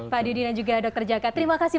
pak didi dan juga dr jaka terima kasih